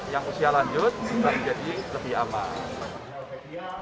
yang usia lanjut bisa menjadi lebih aman